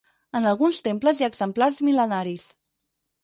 En alguns temples hi ha exemplars mil·lenaris.